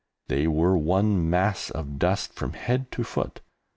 They were one mass of dust from head to foot.